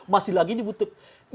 masih lagi dibutuhkan